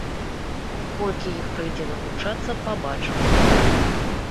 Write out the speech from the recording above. Колькі іх прыйдзе навучацца, пабачым.